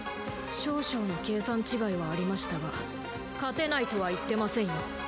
少々の計算違いはありましたが勝てないとは言ってませんよ。